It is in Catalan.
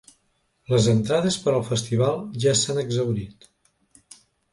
Les entrades per al festival ja s’han exhaurit.